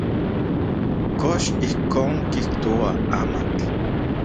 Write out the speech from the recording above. ¿Kox ijkon kijtoa amatl?